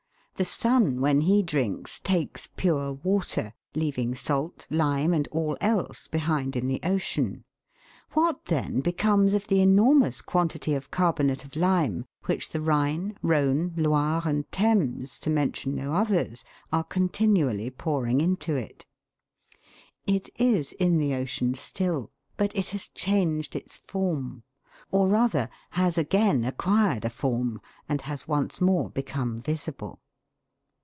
The sun, when he drinks, takes pure water, leaving salt, lime, and all else, behind in the ocean ; what then becomes of the enormous quantity of carbonate of lime which the Rhine, Rhone, Loire, and Thames, to mention no others, are continually pouring into it ? It is in the ocean still, but it has changed its form; or rather has again acquired a form and has once more become visible.